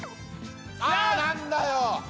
あっなんだよ！